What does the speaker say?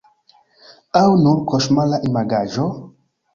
Aŭ nur koŝmara imagaĵo?